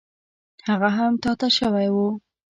هغه هم تا ته شوی و.